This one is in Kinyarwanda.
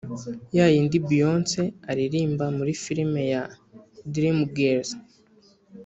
ya yindi Beyoncé aririmba muri film ya Dreamgirls